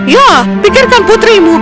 ya pikirkan putrimu